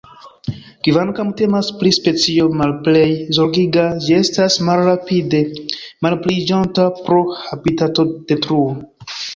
Kvankam temas pri specio Malplej Zorgiga, ĝi estas malrapide malpliiĝanta pro habitatodetruo.